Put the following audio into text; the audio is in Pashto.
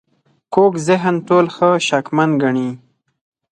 کوږ ذهن ټول ښه شکمن ګڼي